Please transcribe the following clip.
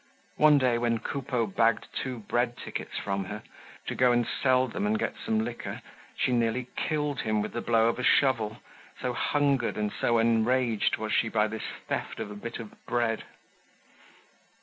One day, when Coupeau bagged two bread tickets from her to go and sell them and get some liquor, she nearly killed him with the blow of a shovel, so hungered and so enraged was she by this theft of a bit of bread.